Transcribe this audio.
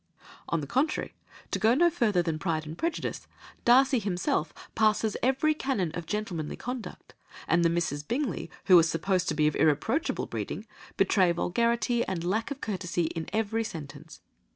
On the contrary, to go no further than Pride and Prejudice, Darcy himself passes every canon of gentlemanly conduct, and the Misses Bingley, who were supposed to be of irreproachable breeding, betray vulgarity and lack of courtesy in every sentence.